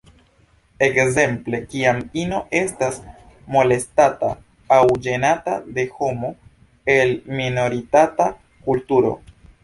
Ekzemple kiam ino estas molestata aŭ ĝenata de homo el minoritata kulturo.